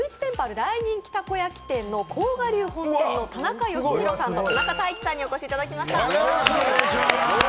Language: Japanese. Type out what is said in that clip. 大人気たこ焼き店の甲賀流本店の田中由弘さんと田中大樹さんにお越しいただきました。